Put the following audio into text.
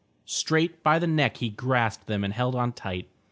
Straight by the neck he grasped them and held on tight.